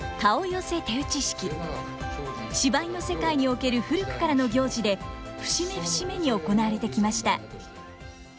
芝居の世界における古くからの行事で節目節目に行われてきました。